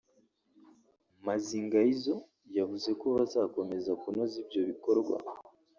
Mazingaizo yavuze ko bazakomeza kunoza ibyo bikorwa